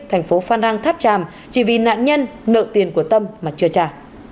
thành phố phan rang tháp tràm chỉ vì nạn nhân nợ tiền của tâm mà chưa trả